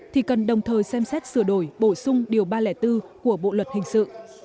thì cần đồng thời xem xét sửa đổi bổ sung điều ba trăm linh bốn của bộ luật hình sự